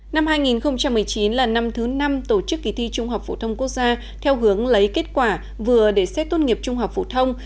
năm hai nghìn một mươi chín là năm thứ năm tổ chức kỳ thi trung học phổ thông quốc gia theo hướng lấy kết quả vừa để xét tốt nghiệp trung học phổ thông